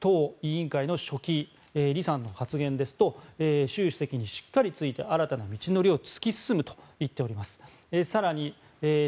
市党委員会の書記習主席にしっかりついて新たな道のりを突き進むと言っております。